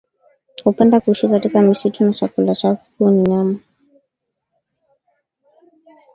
hupenda kuishi katika misitu na chakula chao kikuu ni nyama